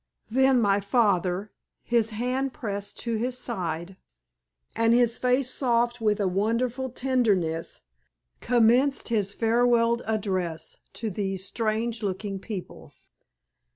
Then my father, his hand pressed to his side, and his face soft with a wonderful tenderness, commenced his farewell address to these strange looking people.